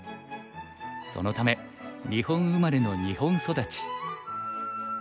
そのため日本生まれの日本育ち。